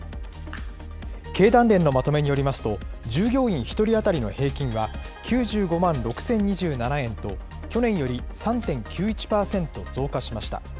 経団連のまとめによりますと、従業員１人当たりの平均は９５万６０２７円と、去年より３．９１％増加しました。